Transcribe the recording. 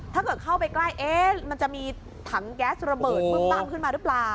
ถ้าเกิดเข้าไปใกล้มันจะมีถังแก๊สระเบิดปึ้มตั้มขึ้นมาหรือเปล่า